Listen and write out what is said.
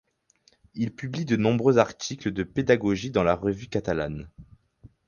Il publie de nombreux articles de pédagogie dans la Revue Catalane.